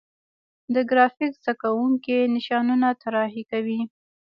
د ګرافیک زده کوونکي نشانونه طراحي کوي.